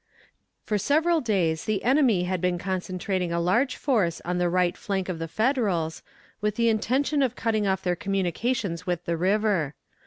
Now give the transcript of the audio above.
For several days the enemy had been concentrating a large force on the right flank of the Federals, with the intention of cutting off their communications with the river.